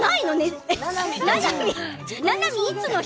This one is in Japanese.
ななみはいつの人？